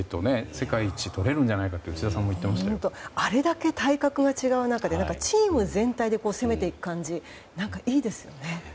世界一とれるんじゃないかって内田さんもあれだけ体格が違う中でチーム全体で攻めていく感じいいですね。